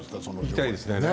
行きたいですね。